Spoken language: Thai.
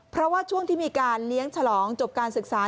เพราะว่าช่วงที่มีการเลี้ยงฉลองจบการศึกษา